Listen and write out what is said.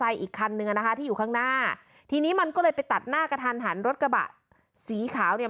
อีกคันนึงอ่ะนะคะที่อยู่ข้างหน้าทีนี้มันก็เลยไปตัดหน้ากระทันหันรถกระบะสีขาวเนี่ย